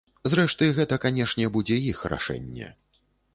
Зрэшты гэта, канешне, будзе іх рашэнне.